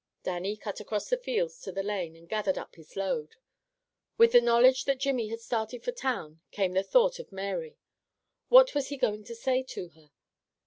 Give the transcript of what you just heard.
Dannie cut across the fields to the lane and gathered up his load. With the knowledge that Jimmy had started for town came the thought of Mary. What was he going to say to her?